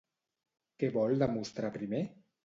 Què vol demostrar primer?